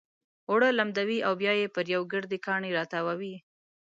اوړه لمدوي او بيا يې پر يو ګردي کاڼي را تاووي.